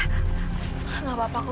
tidak apa apa kuro